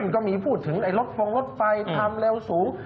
ก็มีพูดถึงรถฟงรถไฟทำเร็วสูง